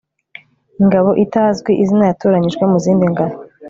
ingabo itazwi izina yatoranyijwe mu zindi ngabo